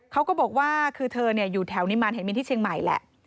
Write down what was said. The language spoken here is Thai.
เขาก็บอกว่าคือเธออยู่แถวนิมารแห่งมินที่เชียงใหม่แหละ